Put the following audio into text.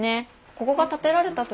ここが建てられた時